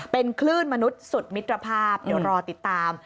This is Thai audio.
เป็นคลื่นมนุษย์สุดมิตรภาพเดี๋ยวรอติดตาม